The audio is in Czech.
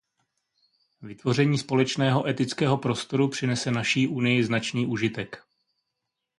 Vytvoření společného etického prostoru přinese naší Unii značný užitek.